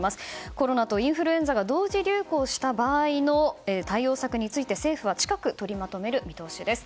コロナとインフルエンザが同時流行した場合の対応策について政府は近く取りまとめる見通しです。